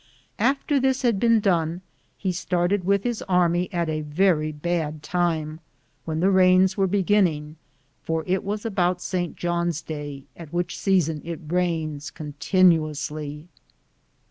After this had been done, he started with his army at a very bad time, when the rains were beginning, for it was about Saint John's day, at which season it rains continuously.